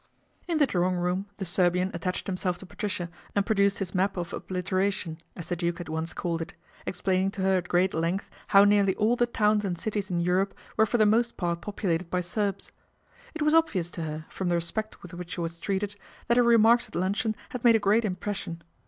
In the drawing room the Serbian attached him self to Patricia and produced his " map of oblitera tion," as the Duke had once called it, explaining to her at great length how nearly all the towns and cities in Europe were for the most part popu lated by Serbs. It was obvious to her, from the respect with which she was treated, that her remarks at luncheon had made a great impression.